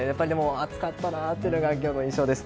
暑かったなというのが今日の印象です。